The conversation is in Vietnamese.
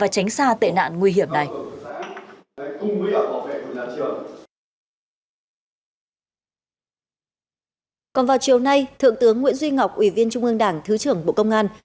còn vào chiều nay thượng tướng nguyễn duy ngọc ủy viên trung ương đảng thứ trưởng bộ công an